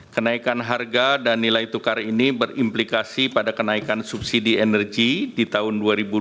kenaikan harga dan nilai tukar ini berimplikasi pada kenaikan subsidi energi di tahun dua ribu dua puluh